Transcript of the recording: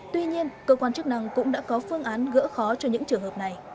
tuy nhiên cơ quan chức năng cũng đã có phương án gỡ khó cho những trường hợp này